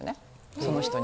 その人に。